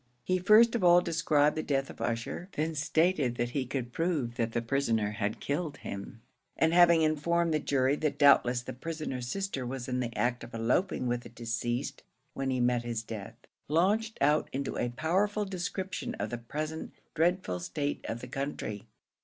He first of all described the death of Ussher; then stated that he could prove that the prisoner had killed him, and having informed the jury that doubtless the prisoner's sister was in the act of eloping with the deceased when he met his death, launched out into a powerful description of the present dreadful state of the country.